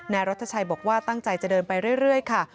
นายรัชชัยบอกว่าตั้งใจจะเดินไปเรื่อยค่ะ